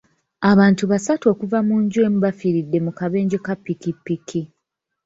Abantu basatu okuva mu nju emu baafiiridde mu kabenje ka ppikipiki.